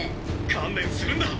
観念するんだ！